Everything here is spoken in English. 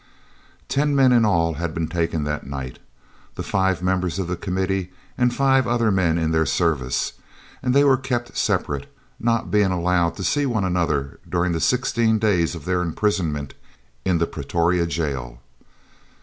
Ten men in all had been taken that night, the five members of the Committee and five other men in their service, and they were kept separate, not being allowed to see one another during the sixteen days of their imprisonment in the Pretoria jail.